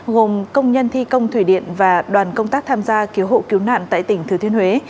gồm công nhân thi công thủy điện và đoàn công tác tham gia cứu hộ cứu nạn tại tỉnh thừa thiên huế